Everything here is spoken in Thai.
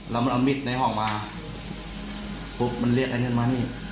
แล้วมันเอามิดในห้องมาปุ๊บมันเรียกไอ้นั่นมานี่